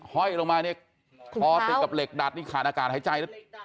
ห้อยลงมาเนี่ยคอติดกับเหล็กดัดนี่ขาดอากาศหายใจแล้ว